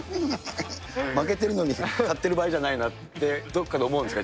負けてるのに買ってる場合じゃないなって、どこかで思うんですか？